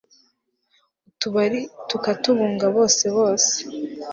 utubari tukatubunga bose bose